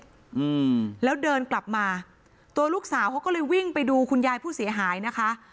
อืมแล้วเดินกลับมาตัวลูกสาวเขาก็เลยวิ่งไปดูคุณยายผู้เสียหายนะคะ